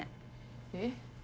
えっ？